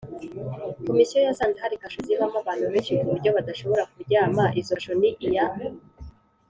Komisiyo yasanze hari kasho zibamo abantu benshi ku buryo badashobora kuryama Izo kasho ni iya